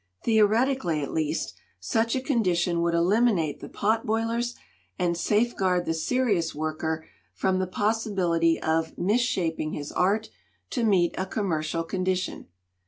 "Theoretically, at least, such a condition would eliminate the pot boilers and safeguard the serious worker from the possibility of ' misshaping ' his art to meet a commercial condition.